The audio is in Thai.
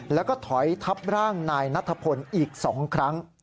แล้วก็ถอยทับร่างนายนัทพลอีก๒ครั้ง